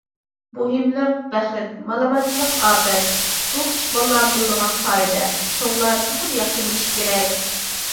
مۇقىملىق بەخت، مالىمانچىلىق ئاپەت، بۇ كىچىك بالىلارمۇ بىلىدىغان قائىدە، چوڭلار تېخىمۇ ياخشى بىلىشى كېرەك.